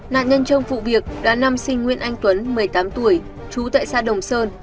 nạn nhân trong vụ việc đã năm sinh nguyên anh tuấn một mươi tám tuổi chú tại xã đồng sơn